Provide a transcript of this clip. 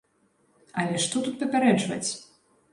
Але што тут папярэджваць?